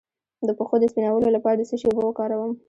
د پښو د سپینولو لپاره د څه شي اوبه وکاروم؟